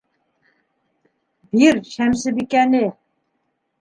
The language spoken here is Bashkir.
Бир Шәмсебикәне!